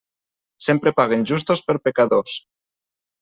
Sempre paguen justos per pecadors.